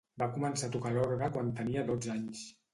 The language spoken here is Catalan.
Va començar a tocar l'orgue quan tenia dotze anys.